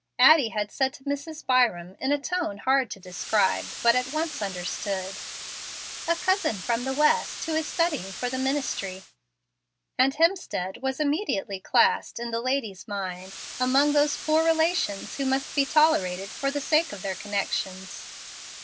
Addie had said to Mrs. Byram, in a tone hard to describe but at once understood, "A cousin from the West, who is studying for the ministry"; and Hemstead was immediately classed in the lady's mind among those poor relations who must be tolerated for the sake of their connections.